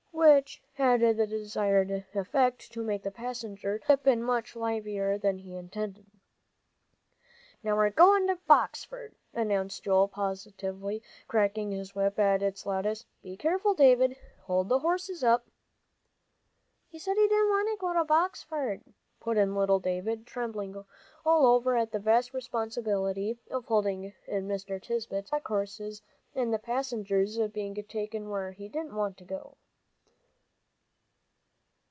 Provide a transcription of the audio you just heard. which had the desired effect, to make the passenger skip in much livelier than he intended. "Now we're goin' to Boxford," announced Joel, positively, cracking his whip at its loudest. "Be careful, David; hold the horses up." "He said he didn't want to go to Boxford," put in little David, trembling all over at the vast responsibility of holding in Mr. Tisbett's black horses, and the passenger's being taken where he didn't want to go.